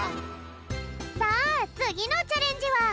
さあつぎのチャレンジはたまよ